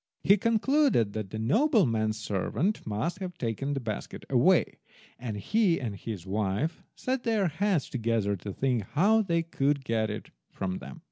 He concluded that the nobleman's servants must have taken the basket away, and he and his wife set their heads together to think how they could get it from them.